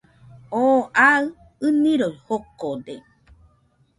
Oo aɨ ɨniroi jokode